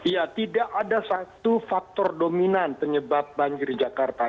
ya tidak ada satu faktor dominan penyebab banjir di jakarta